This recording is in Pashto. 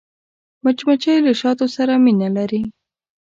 مچمچۍ له شاتو سره مینه لري